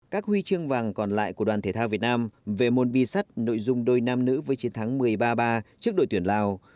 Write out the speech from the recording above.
các huy chương vàng còn lại của đoàn thể thao việt nam về môn bi sắt nội dung đôi nam nữ với chiến thắng một mươi ba trước đội tuyển lào